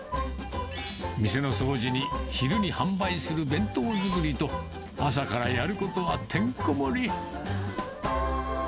店の掃除に、昼に販売する弁当作りと、朝からやることがてんこ盛り。